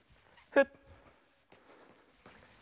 フッ。